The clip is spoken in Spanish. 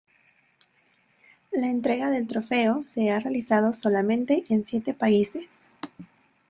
La entrega del trofeo se ha realizado solamente en siete países.